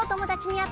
あっ！